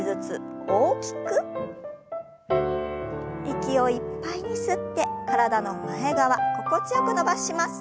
息をいっぱいに吸って体の前側心地よく伸ばします。